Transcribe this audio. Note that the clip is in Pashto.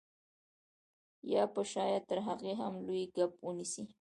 یا به شاید تر هغه هم لوی کب ونیسئ